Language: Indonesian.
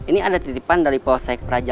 ini ada titipan dari posaik praja v